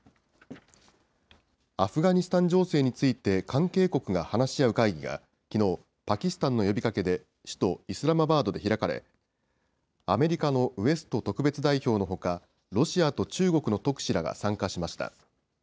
アフガニスタン情勢について関係国が話し合う会議が、きのう、パキスタンの呼びかけで首都イスラマバードで開かれ、アメリカのウエスト特別代表のほか、ロシアと中国の特使らが参加しました。